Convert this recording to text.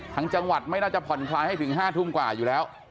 จังหวัดไม่น่าจะผ่อนคลายให้ถึง๕ทุ่มกว่าอยู่แล้ว